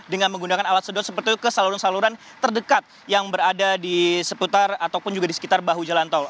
dengan menggunakan alat sedot seperti itu ke saluran saluran terdekat yang berada di seputar ataupun juga di sekitar bahu jalan tol